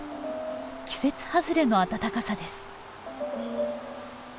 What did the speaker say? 季節外れの暖かさです。